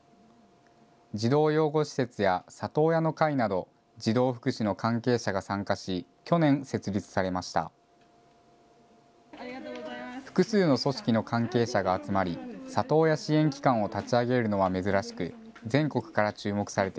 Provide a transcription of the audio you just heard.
児童養護施設や里親の会など児童福祉の関係者が参加し去年、設立されました。